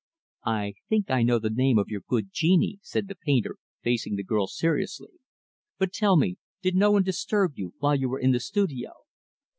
"I think I know the name of your good genie," said the painter, facing the girl, seriously. "But tell me, did no one disturb you while you were in the studio?"